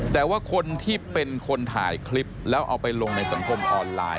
แต่ว่าคนที่เป็นคนถ่ายคลิปแล้วเอาไปลงในสังคมออนไลน